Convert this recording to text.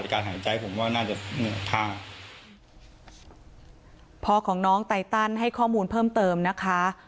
การหายใจผมก็น่าจะเหนื่อยผ้าพ่อของน้องไตตันให้ข้อมูลเพิ่มเติมนะคะ